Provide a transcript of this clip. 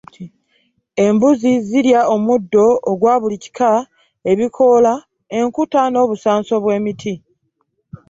Embuzi zirya omuddo ogwa buli kika, ebikoola, enkuta n’obusanso bw’emiti.